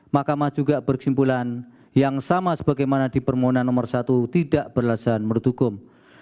mahkamah juga berkesimpulan yang sama sebagaimana di permohonan nomor satu tidak berlesaan menurut hukum